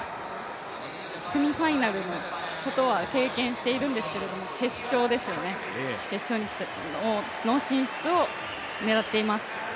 セミファイナルのことは経験しているんですけど決勝ですよね、決勝の進出を狙っています。